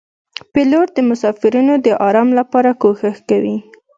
پیلوټ د مسافرینو د آرام لپاره کوښښ کوي.